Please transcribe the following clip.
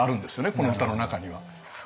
この歌の中には。